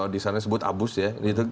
disana disebut abus ya